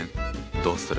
どうする？